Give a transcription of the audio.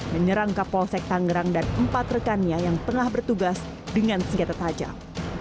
menyerang kapolsek tangerang dan empat rekannya yang tengah bertugas dengan senjata tajam